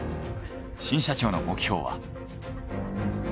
新社長の目標は。